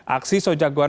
aksi soejang goan